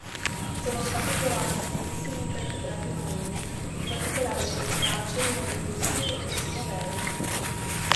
Sono stati trovati moltissimi invertebrati marini, in particolare crostacei, molluschi e persino vermi.